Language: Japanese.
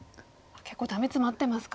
結構ダメツマってますか。